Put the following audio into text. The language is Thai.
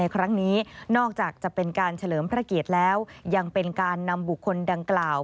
ครั้งนี้นอกจากจะเป็นการเฉลิมพระเกียรติแล้วยังเป็นการนำบุคคลดังกล่าว